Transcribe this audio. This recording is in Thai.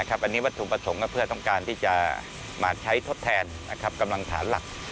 อันนี้วัตถุประสงค์เพื่อต้องการที่จะมาใช้ทดแทนกำลังฐานหลัก